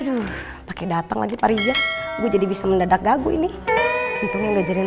aduh pakai datang lagi pariwisata jadi bisa mendadak gagu ini untuk ngajarin